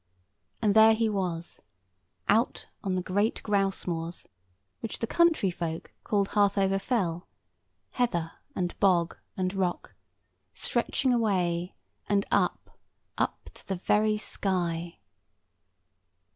And there he was, out on the great grouse moors, which the country folk called Harthover Fell—heather and bog and rock, stretching away and up, up to the very sky.